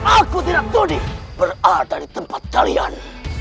aku tidak boleh berada di tempat kalian